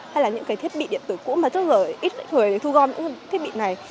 hay là những cái thiết bị điện tử cũ mà trước giờ ít thời thu gom những cái thiết bị này